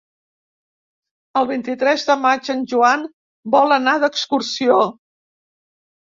El vint-i-tres de maig en Joan vol anar d'excursió.